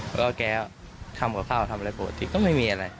แล้วก็แกทำกับข้าวทำอะไรปกติก็ไม่มีอะไร